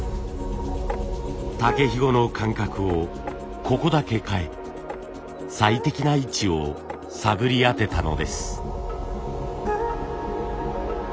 竹ひごの間隔をここだけ変え最適な位置を探り当てたのです。